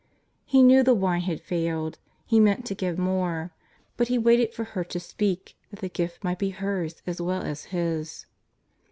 He knew the wine had failed. He meant to give more, but He waited for her to speak that the gift might be hers as well as His.